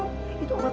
itu obat mujarab loh